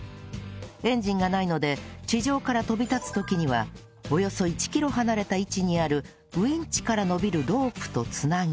エンジンがないので地上から飛び立つ時にはおよそ１キロ離れた位置にあるウィンチから伸びるロープと繋げ